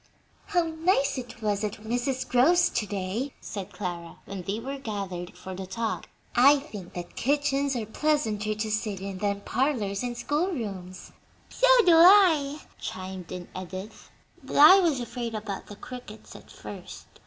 "How nice it was at Mrs. Grove's to day!" said Clara, when they were gathered for the talk. "I think that kitchens are pleasanter to sit in than parlors and school rooms." "So do I," chimed in Edith; "but I was afraid about the crickets at first.